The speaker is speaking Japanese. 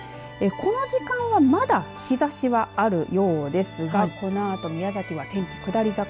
この時間はまだ日ざしはあるようですがこのあと宮崎は天気下り坂。